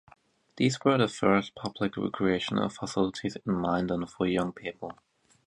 These were the first public recreational facilities in Minden for young people.